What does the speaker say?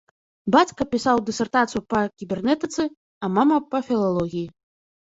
Бацька пісаў дысертацыю па кібернетыцы, а мама па філалогіі.